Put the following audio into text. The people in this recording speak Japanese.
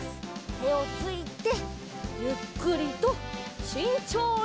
てをついてゆっくりとしんちょうに。